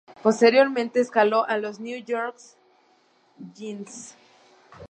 Posteriormente, escaló en los New York Giants.